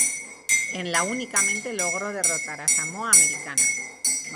En la únicamente logró derrotar a Samoa Americana.